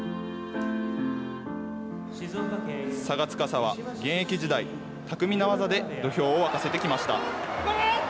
磋牙司は現役時代、巧みな技で土俵を沸かせてきました。